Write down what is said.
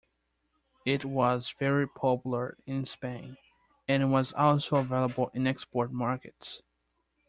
It was very popular in Spain, and was also available in export markets.